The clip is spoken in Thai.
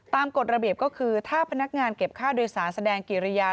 กฎระเบียบก็คือถ้าพนักงานเก็บค่าโดยสารแสดงกิริยา